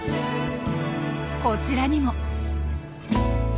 こちらにも。